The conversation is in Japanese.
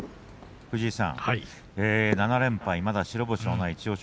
７連敗、まだ白星のない千代翔